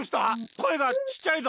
こえがちっちゃいぞ？